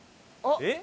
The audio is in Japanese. えっ！？